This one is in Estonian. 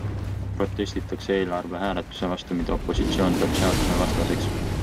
Protestitakse eelarvehääletuse vastu, mida opositsioon peab seadusvastaseks.